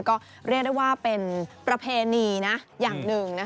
ก็เรียกได้ว่าเป็นประเพณีอย่างหนึ่ง